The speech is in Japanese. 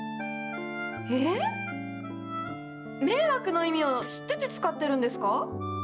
え⁉「迷惑」の意味を知ってて使ってるんですか？